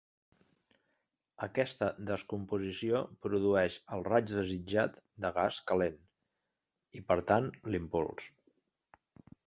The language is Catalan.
Aquesta descomposició produeix el raig desitjat de gas calent i, per tant, l'impuls.